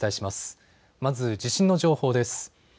まず地震の情報です。